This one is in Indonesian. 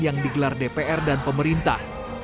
yang digelar dpr dan pemerintah